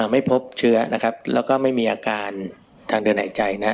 ไม่พบเชื้อนะครับแล้วก็ไม่มีอาการทางเดินหายใจนะ